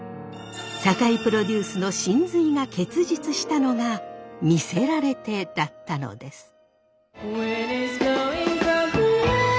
酒井プロデュースの神髄が結実したのが「魅せられて」だったのです。